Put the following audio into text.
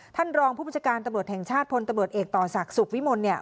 ท่านรองผู้บัญชาการตำรวจแห่งชาติพลตำรวจเอกต่อศักดิ์สุขวิมล